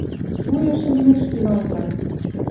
Вуй ошеммеш илалза